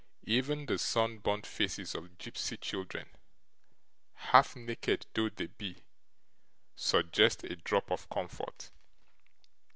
Even the sunburnt faces of gypsy children, half naked though they be, suggest a drop of comfort.